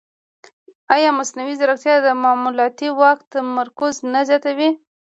ایا مصنوعي ځیرکتیا د معلوماتي واک تمرکز نه زیاتوي؟